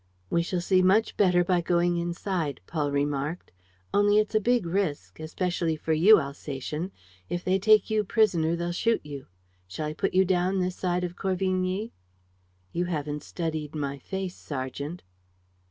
"We shall see much better by going inside," Paul remarked. "Only it's a big risk ... especially for you, Alsatian. If they take you prisoner, they'll shoot you. Shall I put you down this side of Corvigny?" "You haven't studied my face, sergeant."